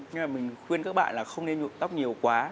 nhưng mà mình khuyên các bạn là không nên nhộn tóc nhiều quá